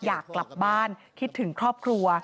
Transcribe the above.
อยากกลับบ้านคิดถึงครอบครัว